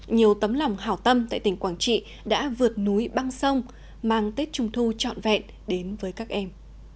nhiều tấm lòng hảo tâm tại tỉnh quảng trị đã vượt núi băng sông mang tết trung thu trọn vẹn đến với các em